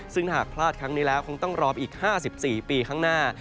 ซึ่งหากพลาดครั้งนี้แล้วคงต้องรอไปอีก๕๔ปีข้างหน้า